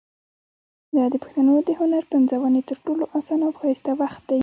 دا د پښتنو د هنر پنځونې تر ټولو اسانه او ښایسته وخت دی.